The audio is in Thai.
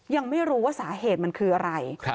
ยังไม่รู้ว่าสาเหตุมันคืออะไร